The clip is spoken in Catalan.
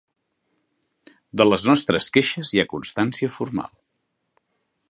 De les nostres queixes hi ha constància formal.